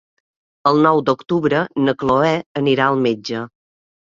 El nou d'octubre na Chloé anirà al metge.